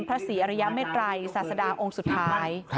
ศรีอริยเมตรัยศาสดาองค์สุดท้าย